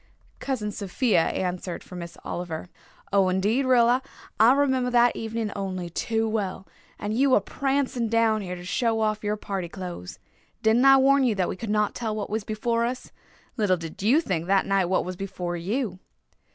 Cousin Sophia answered for Miss Oliver. "Oh, indeed, Rilla, I remember that evening only too well, and you a prancing down here to show off your party clothes. Didn't I warn you that we could not tell what was before us? Little did you think that night what was before you."